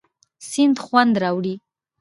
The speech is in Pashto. سیند خوند راوړي.